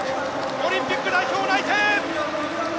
オリンピック代表内定！